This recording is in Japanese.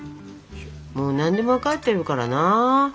もう何でも分かってるからな。